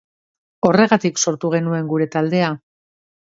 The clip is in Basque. Horregatik sortu genuen gure taldea.